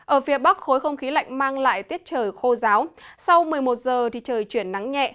ở phía bắc khối không khí lạnh mang lại tiết trời khô ráo sau một mươi một h trời chuyển nắng nhẹ